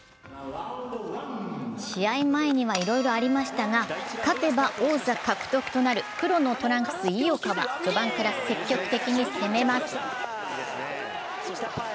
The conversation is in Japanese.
試合前にはいろいろありましたが勝てば王座獲得となる黒のトランクス・井岡は、序盤から積極的に攻めます。